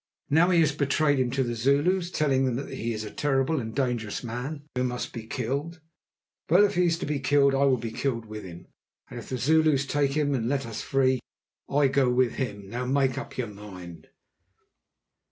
Now he has betrayed him to the Zulus, telling them that he is a terrible and dangerous man who must be killed. Well, if he is to be killed, I will be killed with him, and if the Zulus take him and let us free, I go with him. Now make up your mind."